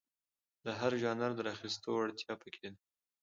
له هر ژانره د راخیستو وړتیا په کې ده.